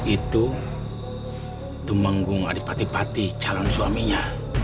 itu demang gung adipati pati calon suaminya